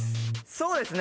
そうですね。